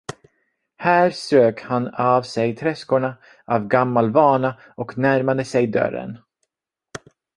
Här strök han av sig träskorna av gammal vana och närmade sig dörren.